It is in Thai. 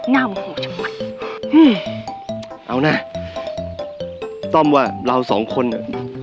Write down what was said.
น่าวมาโหชมันอืมเอานะต้อมว่าเราสองคนอ่ะ